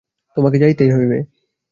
তোমাকে যাইতেই হইবে।